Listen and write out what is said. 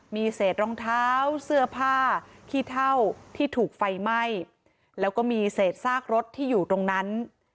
มีเศษรองเท้าเสื้อผ้าขี้เท่าที่ถูกไฟไหม้แล้วก็มีเศษซากรถที่อยู่ตรงนั้น